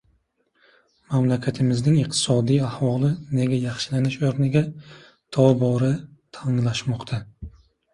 Mamlakatimizning iqtisodiy ahvoli nega yaxshilanish o‘rniga tobora tanglashmoqda?